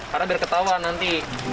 karena biar ketawa nanti